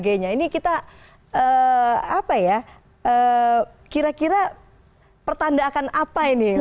ini kita kira kira pertanda akan apa ini